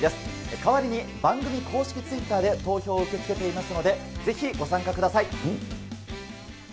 代わりに番組公式ツイッターで投票を受け付けていますので、ぜひ、ご参加ください。